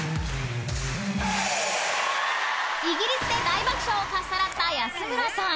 ［イギリスで大爆笑をかっさらった安村さん］